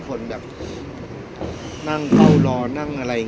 พี่อัดมาสองวันไม่มีใครรู้หรอก